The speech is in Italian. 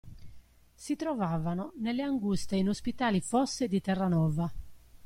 Si trovavano nelle anguste e inospitali fosse di Terranova.